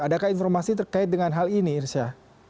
adakah informasi terkait dengan hal ini irsya